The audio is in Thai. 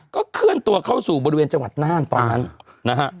ก็เคลื่อนตัวเข้าสู่บริเวณจังหวัดน่านตอนนั้นนะฮะ